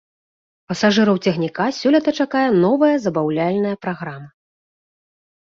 Пасажыраў цягніка сёлета чакае новая забаўляльная праграма.